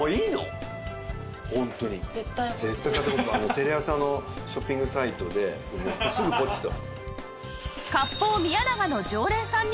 テレ朝のショッピングサイトですぐポチッと。